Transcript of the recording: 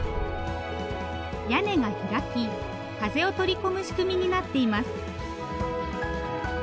屋根が開き風を取り込む仕組みになっています。